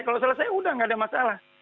kalau selesai udah gak ada masalah